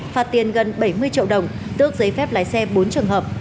phạt tiền gần bảy mươi triệu đồng tước giấy phép lái xe bốn trường hợp